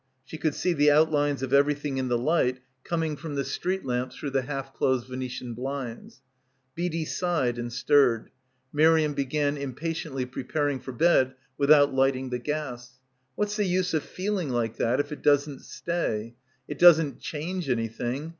She could see the out lines of everything in the light coming from the street lamps through the half closed Venetian blinds. Beadie sighed and stirred. Miriam be gan impatiently preparing for bed without light ing the gas. "What's the use of feeling like that — ill — PILGRIMAGE if it doesn't stay? It doesn't change anything.